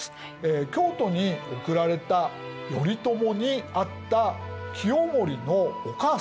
京都に送られた頼朝に会った清盛のお母さん